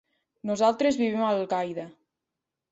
Nosaltres vivim a Algaida.